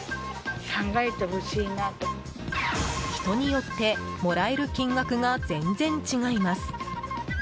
人によってもらえる金額が全然違います。